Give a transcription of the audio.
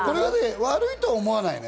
悪いとは思わないのよ？